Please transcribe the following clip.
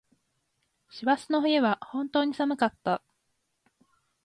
網走の冬は本当に寒かった。